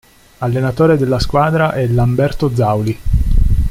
Allenatore della squadra è Lamberto Zauli.